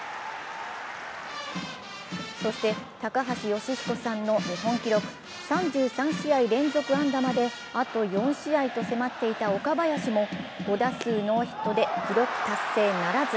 そして高橋慶彦さんの日本記録３３試合連続安打まで、あと４試合と迫っていた岡林も５打数ノーヒットで記録達成ならず。